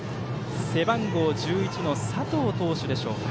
背番号１１の佐藤投手でしょうか。